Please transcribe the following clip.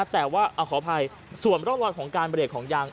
แต่ว่าขออภัยส่วนร่องรอยของการเบรกของยาง